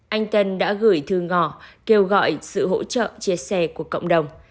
anh tân đã gửi thư ngỏ kêu gọi sự hỗ trợ chia sẻ của cộng đồng